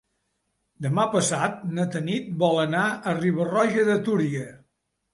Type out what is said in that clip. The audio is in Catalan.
Demà passat na Tanit vol anar a Riba-roja de Túria.